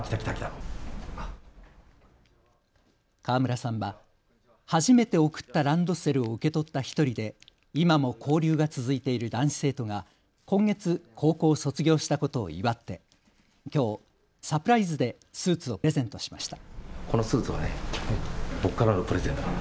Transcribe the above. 河村さんは初めて贈ったランドセルを受け取った１人で今も交流が続いている男子生徒が今月、高校を卒業したことを祝ってきょうサプライズでスーツをプレゼントしました。